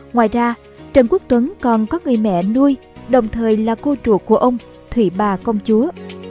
ngoài ra trần quốc tuấn còn có người mẹ nuôi đồng thời là cô trụ của ông thủy bà công chúa